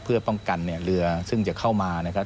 เพื่อป้องกันเนี่ยเรือซึ่งจะเข้ามานะครับ